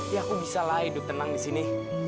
ya aku bisa lah hidup tenang disini